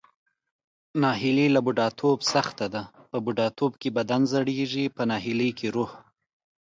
ناهیلي له بوډاتوب سخته ده، په بوډاتوب کې بدن زړیږي پۀ ناهیلۍ کې روح.